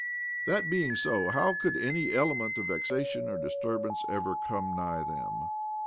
That being so, how could any element of vexation or disturbance ever come nigh them?